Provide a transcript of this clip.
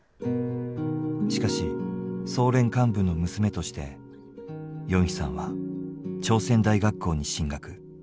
しかし総連幹部の娘としてヨンヒさんは朝鮮大学校に進学。